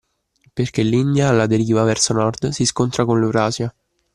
Perché l'India alla deriva verso nord si scontra con l'Eurasia.